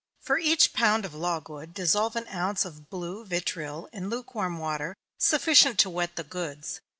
For each pound of logwood, dissolve an ounce of blue vitriol in lukewarm water sufficient to wet the goods.